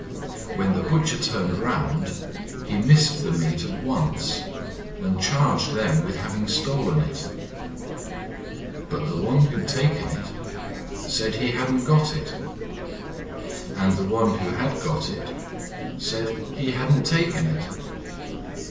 When the Butcher turned round, he missed the meat at once, and charged them with having stolen it: but the one who had taken it said he hadn't got it, and the one who had got it said he hadn't taken it.